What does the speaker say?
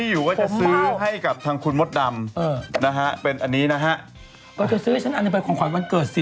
ฝนเม่าว่าจะซื้อให้กับคุณมสดำเป็นอันนี้นะครับว่าจะซื้อให้ฉันก็เป็นของขอดวันเกิดสิ